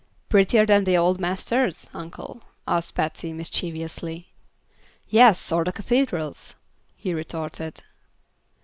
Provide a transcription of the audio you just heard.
"Prettier than the old masters, Uncle?" asked Patsy, mischievously. "Yes, or the cathedrals!" he retorted.